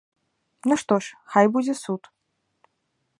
Ну што ж, хай будзе суд.